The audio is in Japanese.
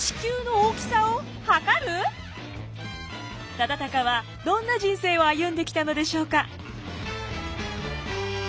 忠敬はどんな人生を歩んできたのでしょうか？